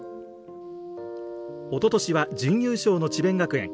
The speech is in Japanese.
おととしは準優勝の智弁学園。